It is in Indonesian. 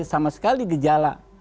sama sekali gejala